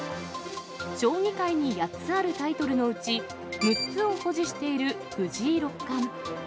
将棋界に８つあるタイトルのうち、６つを保持している藤井六冠。